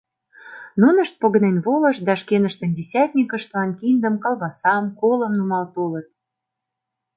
Нунышт погынен волышт да шкеныштын десятникыштлан киндым, колбасам, колым нумал толыт.